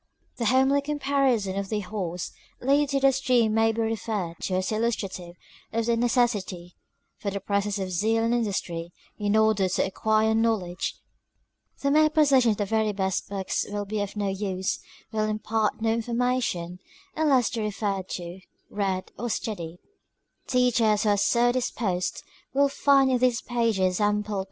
The homely comparison of the horse lead to the stream may be referred to as illustrative of the neces sity for the presence of zeal and industry, in ordet to acquire knowledge:— the mere possession of the very best books will be of no use, — will impart no information, unless they be referred to, read, or studied. Teachers who are so disposed, will find in these pages, ample oppor.